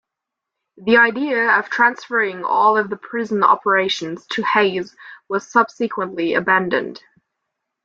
The idea of transferring all of the prison operations to Hayes was subsequently abandoned.